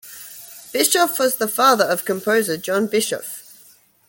Bischoff was the father of composer John Bischoff.